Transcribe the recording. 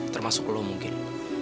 termasuk lo mungkin